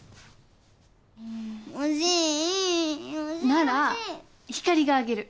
なら星があげる。